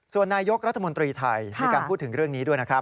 ส่วนนายกรัฐมนตรีไทยมีการพูดถึงเรื่องนี้ด้วยนะครับ